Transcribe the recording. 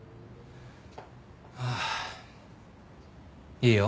いいよ。